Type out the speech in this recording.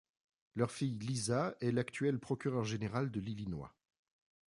Leurs fille Lisa, est l'actuelle Procureur Générale de l'Illinois.